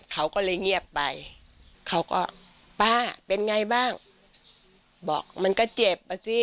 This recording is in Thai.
เขาก็เลยเงียบไปเขาก็ป้าเป็นไงบ้างบอกมันก็เจ็บอ่ะสิ